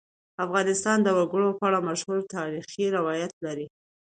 افغانستان د وګړي په اړه مشهور تاریخی روایتونه لري.